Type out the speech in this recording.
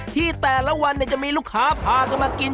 ที่แต่ละวันจะมีลูกค้าพากันมากิน